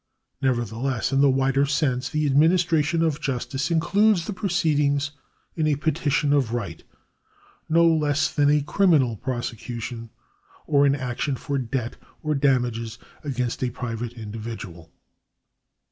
Nevertheless in the wider sense the administration of justice includes the proceedings in a petition of right, no less than a criminal prosecution or an action for debt or damages against a private individual.